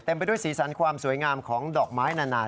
ไปด้วยสีสันความสวยงามของดอกไม้นานา